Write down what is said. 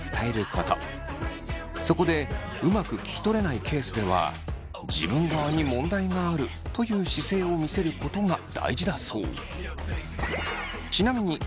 そこでうまく聞き取れないケースでは自分側に問題があるという姿勢を見せることが大事だそう。